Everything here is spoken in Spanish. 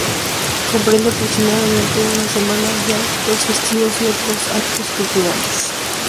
Comprenden aproximadamente una semanas de actos festivos y otra de actos culturales.